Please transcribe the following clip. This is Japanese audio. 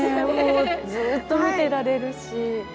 もうずっと見てられるし。